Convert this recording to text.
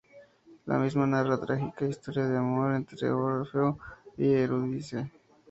La misma narra la trágica historia de amor entre Orfeo y Eurídice.